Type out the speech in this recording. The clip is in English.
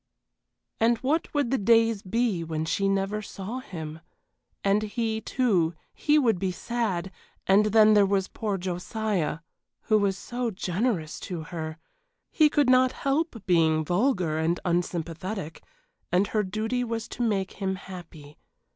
And what would the days be when she never saw him? And he, too, he would be sad and then there was poor Josiah who was so generous to her. He could not help being vulgar and unsympathetic, and her duty was to make him happy.